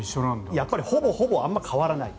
やっぱりほぼほぼあんまり変わらない。